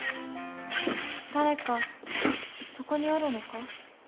誰かそこにおるのか？